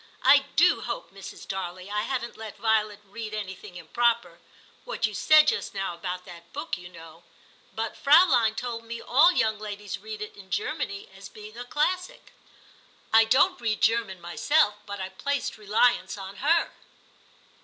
I do hope, Mrs. Darley, I haven't let Violet read anything improper ; what you said just now about that book, you know. But Fraulein told me all young ladies read it in Germany as being a classic. I 28o TIM CHAP. don't read German myself, but I placed reliance on her.'